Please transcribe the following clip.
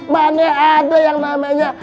mana ada yang namanya